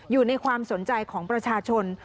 อยู่ในความสนใจของประชาชน